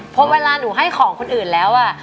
เพราะเวลาหนูให้ของคนอื่นแล้วอ่ะ